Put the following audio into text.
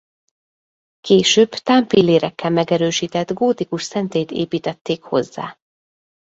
Később támpillérekkel megerősített gótikus szentélyt építették hozzá.